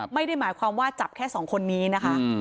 ไม่ได้หมายความว่าจับแค่๒คนนี้นะคะ